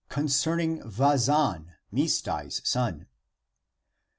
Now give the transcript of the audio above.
CONCERNING VAZAN, MISDAl's SON.